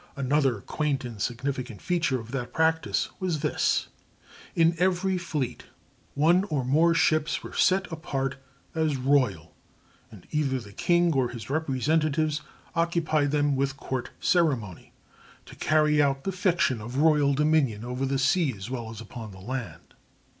Another quaint and significant feature of that practice was this: In every fleet one or more ships were set apart as "royal," and either the king or his representatives occupied them with court ceremony to carry out the fiction of royal dominion over the sea as well as upon the land.